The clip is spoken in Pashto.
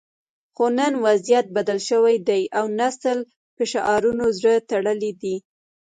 خو نن وضعیت بدل شوی دی او نسل په شعارونو زړه تړلی دی